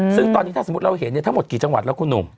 ซึ่งตอนนี้ถ้าสมมุติเราเห็นทั้งหมดกี่จังหวัดแล้วคุณหนุ่ม